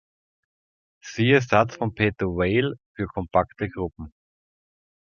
Siehe Satz von Peter Weyl für kompakte Gruppen.